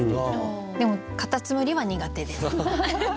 でもカタツムリは苦手です。